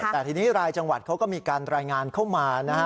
แต่ทีนี้รายจังหวัดเขาก็มีการรายงานเข้ามานะฮะ